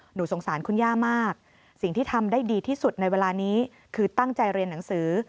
หนูสงสารคุณย่ามากสิ่งที่ทำได้ดีที่สุดในเวลานี้คือตั้งใจเรียนหนังสือ